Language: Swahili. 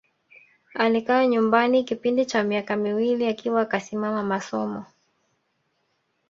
Alikaa nyumbani kipindi cha miaka miwili akiwa kasimama masomo